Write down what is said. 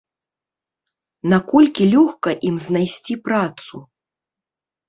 Наколькі лёгка ім знайсці працу?